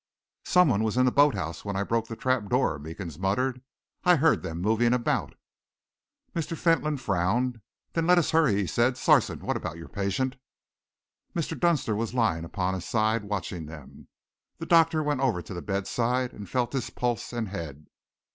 "Some one was in the boat house when I broke the trap door," Meekins muttered. "I heard them moving about." Mr. Fentolin frowned. "Then let us hurry," he said. "Sarson, what about your patient?" Mr. Dunster was lying upon his side, watching them. The doctor went over to the bedside and felt his pulse and head.